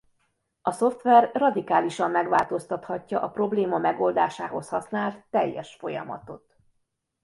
A szoftver radikálisan megváltoztathatja a probléma megoldásához használt teljes folyamatot.